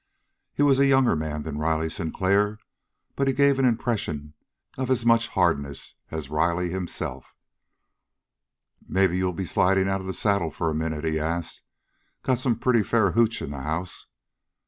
He was a younger man than Riley Sinclair, but he gave an impression of as much hardness as Riley himself. "Maybe you'll be sliding out of the saddle for a minute?" he asked. "Got some pretty fair hooch in the house."